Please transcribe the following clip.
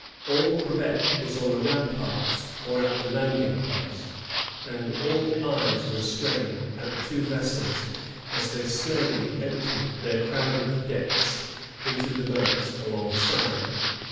All Quebec was on the ramparts or at the landing place, and all eyes were strained at the two vessels as &ey slowly emptied their crowded decks into the boats along side.